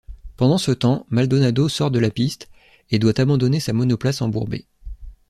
Pendant ce temps, Maldonado sort de la piste et doit abandonner sa monoplace embourbée.